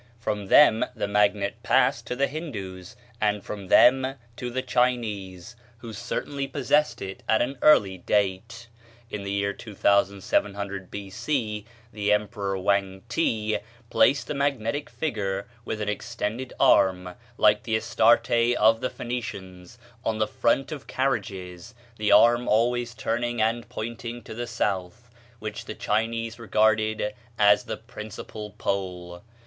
From them the magnet passed to the Hindoos, and from them to the Chinese, who certainly possessed it at an early date. In the year 2700 B.C. the Emperor Wang ti placed a magnetic figure with an extended arm, like the Astarte of the Phoenicians, on the front of carriages, the arm always turning and pointing to the south, which the Chinese regarded as the principal pole.